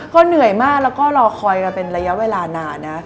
ก็เหนื่อยมากแล้วก็รอคอยกันเป็นระยะเวลานานนะ